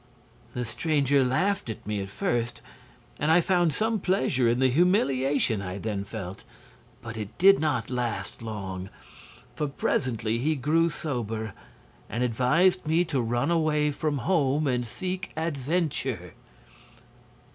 "The stranger laughed at me, at first; and I found some pleasure in the humiliation I then felt. But it did not last long, for presently he grew sober and advised me to run away from home and seek adventure.